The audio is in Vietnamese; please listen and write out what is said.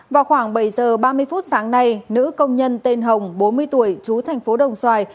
vào khoảng bảy h ba mươi phút sáng nay nữ công nhân tên hồng bốn mươi tuổi trú tp đồng xoài